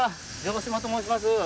城島と申します。